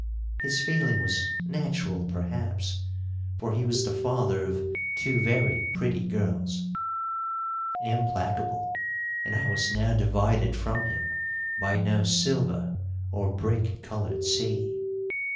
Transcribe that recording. His feeling was natural, perhaps, for he was the father of two very pretty girls. Implacable, and I was now divided from him by no silver or brick coloured sea!